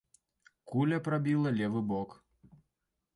Куля прабіла левы бок.